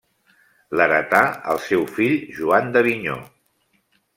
L'heretà el seu fill Joan d'Avinyó.